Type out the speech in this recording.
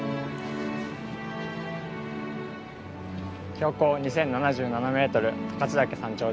標高２，０７７ｍ十勝岳山頂です。